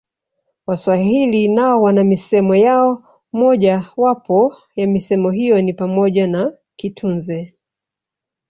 Waswahili nao wana misemo yao Moja wapo ya misemo hiyo ni pamoja na kitunze